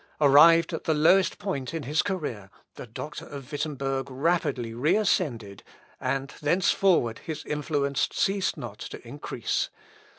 Arrived at the lowest point in his career, the doctor of Wittemberg rapidly reascended; and thenceforward his influence ceased not to increase.